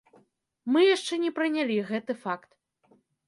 Мы яшчэ не прынялі гэты факт.